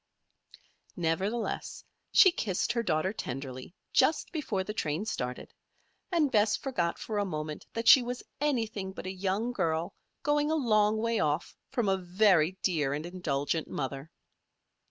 Nevertheless she kissed her daughter tenderly, just before the train started, and Bess forgot for a moment that she was anything but a young girl going a long way off from a very dear and indulgent mother.